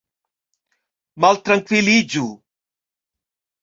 maltrankviliĝu